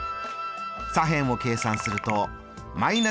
左辺を計算するとー２０。